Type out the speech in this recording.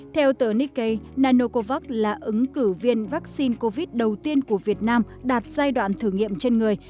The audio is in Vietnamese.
theo tờ nikkei nanocovax là ứng cử viên vaccine covid đầu tiên của việt nam đạt giai đoạn thử nghiệm trên người